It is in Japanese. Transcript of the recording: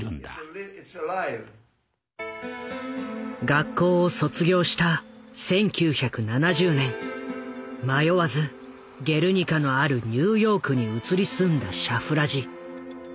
学校を卒業した１９７０年迷わず「ゲルニカ」のあるニューヨークに移り住んだシャフラジ。